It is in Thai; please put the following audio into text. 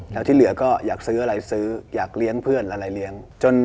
แล้วที่เหลือก็อยากซื้ออะไรซื้ออยากเลี้ยงเพื่อนอะไรเลี้ยง